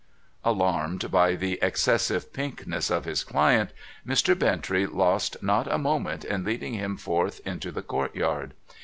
Alarmed by the excessive pinkness of his client, Mr. Bintrey lost not a moment in leading him forth into the court yard.